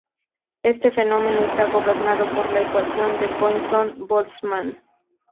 Este fenómeno está gobernado por la ecuación de Poisson–Boltzmann.